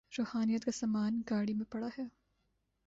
روحانیت کا سامان گاڑی میں پڑا تھا۔